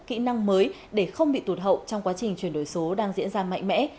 kỹ năng mới để không bị tụt hậu trong quá trình chuyển đổi số đang diễn ra mạnh mẽ